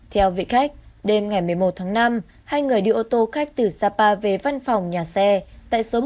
theo vị khách đêm ngày một mươi một tháng năm hai người đi ô tô khách từ sapa về văn phòng nhà xe tại số một trăm một mươi bốn